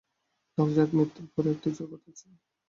ধরা যাক মৃত্যুর পরে একটি জগৎ আছে।